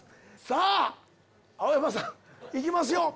さぁ青山さん行きますよ。